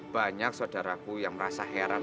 banyak saudaraku yang merasa heran